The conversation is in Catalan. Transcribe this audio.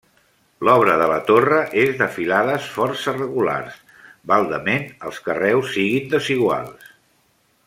L'obra de la torre és de filades força regulars, baldament els carreus siguin desiguals.